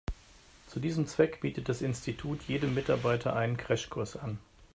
Zu diesem Zweck bietet das Institut jedem Mitarbeiter einen Crashkurs an.